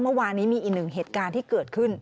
เมื่อวานนี้มีอีกหนึ่งเหตุการณ์ที่เกิดขึ้น